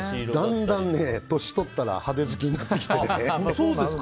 だんだん年取ったら派手好きになってきてね。